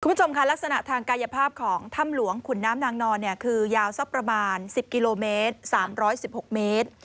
คุณผู้ชมค่ะลักษณะทางกายภาพของถ้ำหลวงขุนน้ำนางนอนคือยาวสักประมาณ๑๐กิโลเมตร๓๑๖เมตร